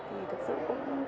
thì thật sự cũng